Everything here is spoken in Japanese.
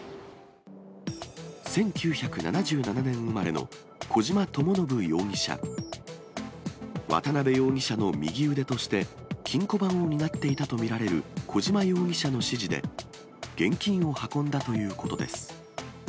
１９７７年生まれの小島智信容疑者。渡辺容疑者の右腕として、金庫番を担っていたと見られる小島容疑者の指示で、現金を運んだということです。